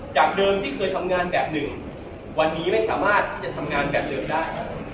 จากเดิมที่เคยทำงานแบบหนึ่งวันนี้ไม่สามารถที่จะทำงานแบบเดิมได้